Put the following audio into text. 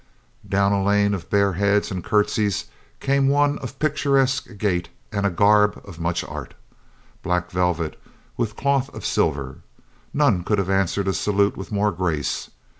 Down a lane of bared heads and curtsies came one of picturesque gait and a garb of much art — black velvet with cloth of silver. None could have answered a salute with more grace.